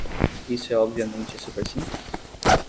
Isso é obviamente super simples?